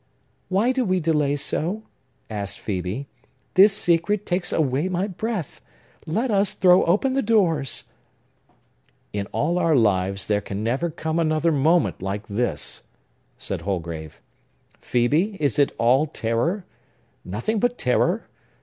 "Why do we delay so?" asked Phœbe. "This secret takes away my breath! Let us throw open the doors!" "In all our lives there can never come another moment like this!" said Holgrave. "Phœbe, is it all terror?—nothing but terror?